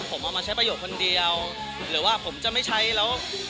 ผมเอามาใช้ประโยชน์คนเดียวหรือว่าผมจะไม่ใช้แล้ว